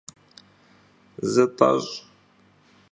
Zıt'eş'!